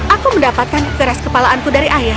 aku mendapatkan keras kepalaanku dari ayah